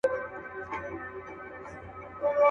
د «پاربتي» او «اما» په بڼه کي